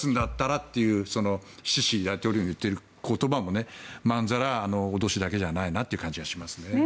シシ大統領が言っている言葉もまんざら脅しだけじゃないという気がしますね。